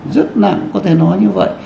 rất nặng có thể nói như vậy